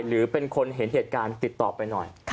หรือเป็นคนเห็นเหตุการณ์ติดต่อไปหน่อย